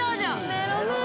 メロメロ